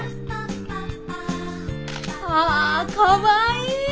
あかわいい！